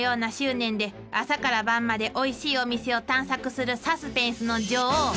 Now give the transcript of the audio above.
［朝から晩までおいしいお店を探索するサスペンスの女王］